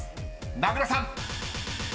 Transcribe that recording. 名倉さん］